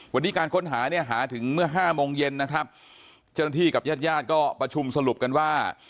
วันนี้การค้นหาเนี่ยหาถึงเมื่อห้าโมงเย็นนะครับเจ้าหน้าที่กับญาติญาติก็ประชุมสรุปกันว่า